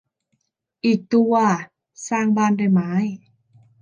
อีกตัว สร้างบ้านด้วยไม้